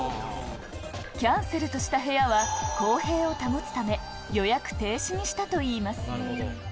キャンセルとした部屋は、公平を保つため、予約停止にしたといいます。